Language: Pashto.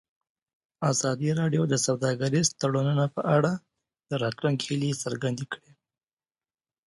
ازادي راډیو د سوداګریز تړونونه په اړه د راتلونکي هیلې څرګندې کړې.